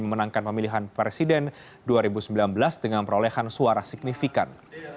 memenangkan pemilihan presiden dua ribu sembilan belas dengan perolehan suara signifikan